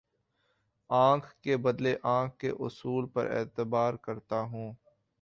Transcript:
آنکھ کے بدلے آنکھ کے اصول پر اعتبار کرتا ہوں